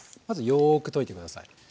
まずよく溶いて下さい。